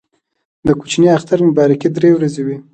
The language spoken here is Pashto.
د کوچني اختر مبارکي درې ورځې وي.